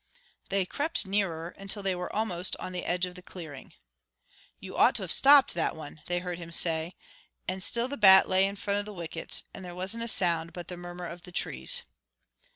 They crept nearer, until they were almost on the edge of the clearing. "You ought to have stopped that one," they heard him say; and still the bat lay in front of the wickets, and there wasn't a sound but the murmur of the trees.